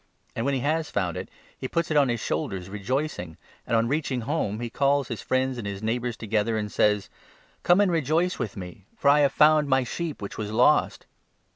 And, when he has found it, he puts it 5 on his shoulders rejoicing ; and, on reaching home, he calls 6 his friends and his neighbours together, and says ' Come and rejoice with me, for I have found my sheep which was lost.'